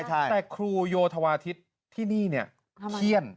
แต่ครูโยธวาทิศที่นี่เนี่ยเขี้ยน